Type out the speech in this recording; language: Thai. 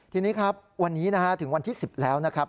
ทีนี้ครับวันนี้นะฮะถึงวันที่๑๐แล้วนะครับ